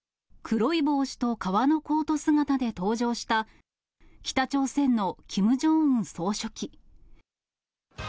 黒い帽子と革のコート姿で登場した、北朝鮮のキム・ジョンウン総書記。